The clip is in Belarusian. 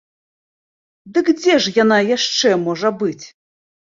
Дык дзе ж яна яшчэ можа быць?